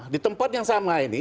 di tempat yang sama ini